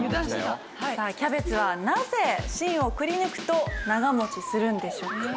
さあキャベツはなぜ芯をくり抜くと長持ちするんでしょうか？